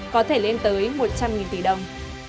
có thể lên tới một trăm linh tỷ đồng